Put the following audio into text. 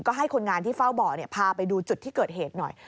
ก็ให้คนงานที่เฝ้าบ่อพาไปดูจุดที่เกิดเหตุหน่อย